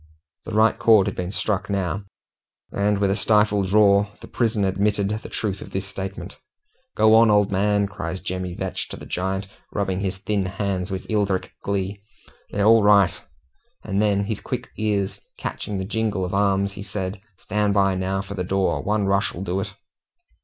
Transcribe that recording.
The right chord had been struck now, and with a stifled roar the prison admitted the truth of the sentiment. "Go on, old man!" cries Jemmy Vetch to the giant, rubbing his thin hands with eldritch glee. "They're all right!" And then, his quick ears catching the jingle of arms, he said, "Stand by now for the door one rush'll do it."